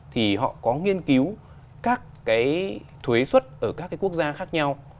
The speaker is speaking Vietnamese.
thì họ có nghiên cứu các cái thuế xuất ở các cái quốc gia